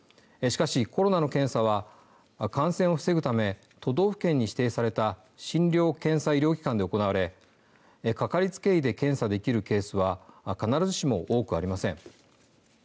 しかしコロナの検査は感染を防ぐため都道府県に指定された診療・検査医療機関で行われかかりつけ医で検査できるケースは必ずしも多くありません。